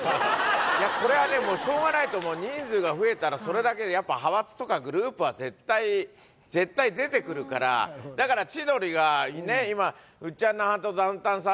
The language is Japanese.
いやこれはねしょうがないと思う人数が増えたらそれだけやっぱ派閥とかグループは絶対絶対出てくるからだから千鳥が今ウッチャン派とダウンタウンさん